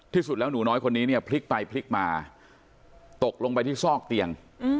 ที่สุดแล้วหนูน้อยคนนี้เนี่ยพลิกไปพลิกมาตกลงไปที่ซอกเตียง